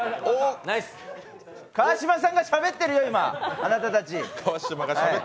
川島さんがしゃべってるよ、今、あなたたち！